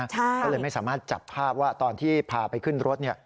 ก็เลยไม่สามารถจับภาพว่าตอนที่พาไปขึ้นรถ